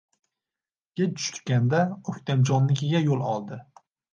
Kech tushganda O`ktamjonnikiga yo`l oldi